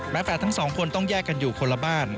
แฟนทั้งสองคนต้องแยกกันอยู่คนละบ้าน